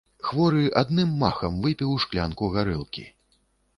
Хворы адным махам выпіў шклянку гарэлкі.